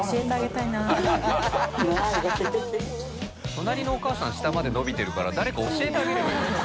隣のお母さん下まで伸びてるから教えてあげればいいのに。